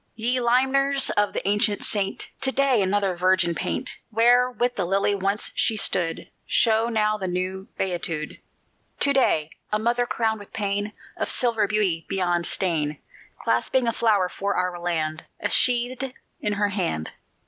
Ye limners of the ancient saint! To day another virgin paint; Where with the lily once she stood Show now the new beatitude. To day a mother crowned with pain, Of silver beauty beyond stain, Clasping a flower for our land A sheathèd in her hand.